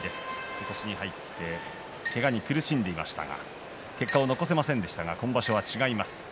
今年に入ってけがに苦しんでいましたが結果を残せませんでしたが今場所は違います。